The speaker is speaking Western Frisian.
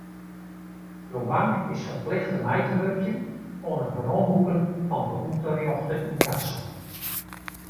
Jo bank is ferplichte mei te wurkjen oan it weromboeken fan de ûnterjochte ynkasso.